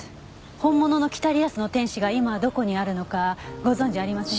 本物の『北リアスの天使』が今どこにあるのかご存じありませんか？